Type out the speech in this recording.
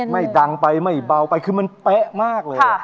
ไม่ดังไปไม่เบาไปคือมันเป๊ะมากเลย